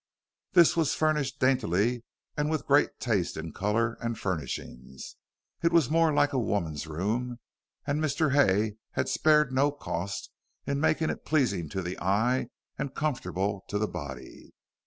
This was furnished daintily and with great taste in color and furnishing. It was more like a woman's room, and Mr. Hay had spared no cost in making it pleasing to the eye and comfortable to the body.